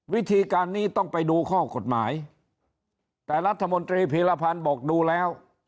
วิธีการนี้ต้องไปดูข้อกฎหมายแต่รัฐมนตรีพีรพันธ์บอกดูแล้ว